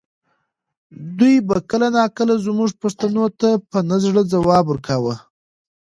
دوی به کله ناکله زما پوښتنو ته په نه زړه ځواب ورکاوه.